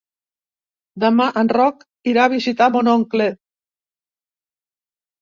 Demà en Roc irà a visitar mon oncle.